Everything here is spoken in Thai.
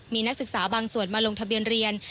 มีนักศึกษาบางส่วนมาลงทะเบียนเรียน